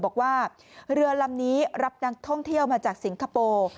บอกว่าเรือลำนี้รับนักท่องเที่ยวมาจากสิงคโปร์